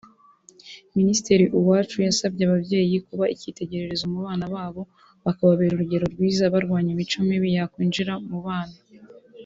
Minisitiri Uwacu yasabye ababyeyi kuba ikitegererezo mu bana babo bakababera urugero rwiza barwanya imico mibi yakwinjira mu bana